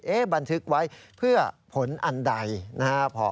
บันทึกไว้เพื่อผลอันใดนะครับ